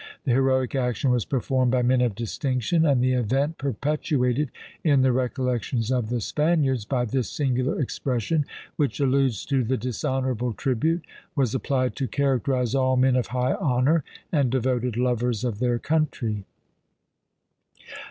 The heroic action was performed by men of distinction, and the event perpetuated in the recollections of the Spaniards by this singular expression, which alludes to the dishonourable tribute, was applied to characterise all men of high honour, and devoted lovers of their country.